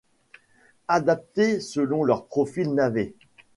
Adapté selon leurs profils Naver.